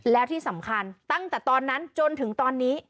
แล้วที่สำคัญตั้งแต่ตอนนั้นจนถึงตอนนี้